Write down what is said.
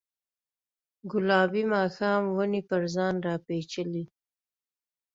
ګلابي ماښام ونې پر ځان راپیچلې